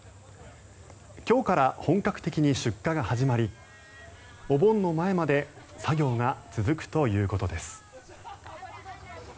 今日から本格的に出荷が始まりお盆の前まで作業が続くということです。